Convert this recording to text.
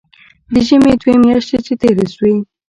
د ژمي دوې مياشتې چې تېرې سوې.